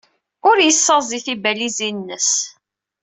Ur yessaẓey tibalizin-nnes.